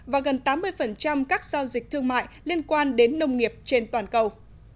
và gần tám mươi các giao dịch thương mại liên quan đến nông nghiệp trên toàn cầu